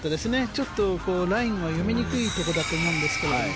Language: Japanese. ちょっとラインが読みにくいところだと思うんですけど。